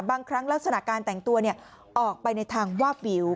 บางครั้งลักษณะการแต่งตัวออกไปในทางวาบวิว